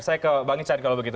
saya ke bang ican kalau begitu